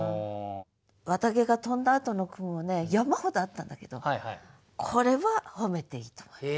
絮毛が飛んだあとの句もね山ほどあったんだけどこれは褒めていいと思います。